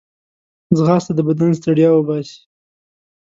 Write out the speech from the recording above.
ځغاسته د بدن ستړیا وباسي